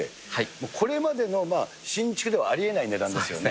もうこれまでの新築ではありえない値段ですよね。